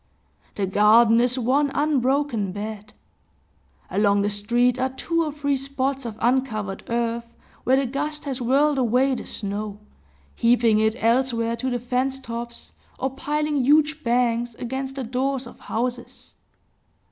The garden is one unbroken bed. Along the street are two or three spots of uncovered earth, where the gust has whirled away the snow, heaping it elsewhere to the fence tops, or piling huge banks against the doors of houses.